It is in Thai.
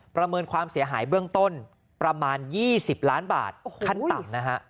ประเมินความเสียหายเบื้องต้นประมาณ๒๐ล้านบาทขั้นต่ำนะฮะ